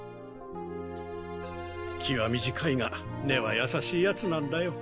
気は短いが根は優しい奴なんだよ。